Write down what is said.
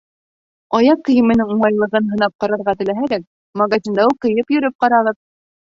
Аяҡ кейеменең уңайлығын һынап ҡарарға теләһәгеҙ, магазинда уҡ кейеп йөрөп ҡарағыҙ.